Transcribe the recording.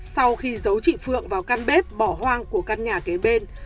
sau khi giấu chị phượng vào căn bếp bỏ hoang của căn nhà kế bên